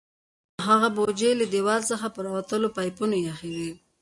هغه بوجۍ یې له دیوال څخه پر راوتلو پایپونو ایښې وې.